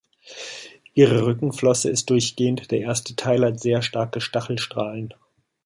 Ihre Rückenflosse ist durchgehend, der erste Teil hat sehr starke Stachelstrahlen.